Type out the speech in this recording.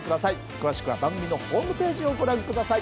詳しくは番組のホームページをご覧下さい。